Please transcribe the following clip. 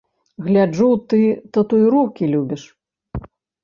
Гляджу, ты татуіроўкі любіш.